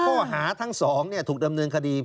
ข้อหาทั้งสองถูกดำเนินคดี